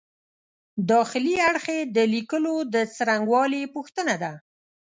داخلي اړخ یې د لیکلو د څرنګوالي پوښتنه ده.